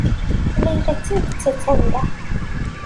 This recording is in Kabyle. Layla d tidet a-tt-an da.